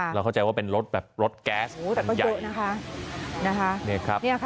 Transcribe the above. เราเข้าใจว่าเป็นรถแบบรถแก๊สถังใหญ่